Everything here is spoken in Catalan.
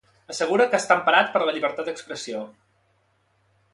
Assegura que està emparat per la llibertat d'expressió.